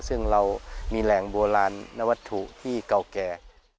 ซึ่งเรามีแหล่งโบราณนวัตถุที่เก่าแก่